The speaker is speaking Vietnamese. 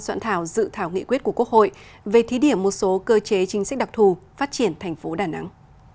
soạn thảo dự thảo nghị quyết của quốc hội về thí điểm một số cơ chế chính sách đặc thù phát triển thành phố đà nẵng